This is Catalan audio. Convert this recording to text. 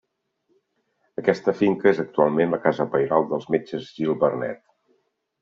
Aquesta finca és actualment la casa pairal dels metges Gil Vernet.